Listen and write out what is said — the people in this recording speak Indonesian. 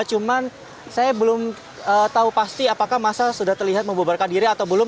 cuman saya belum tahu pasti apakah masa sudah terlihat membubarkan diri atau belum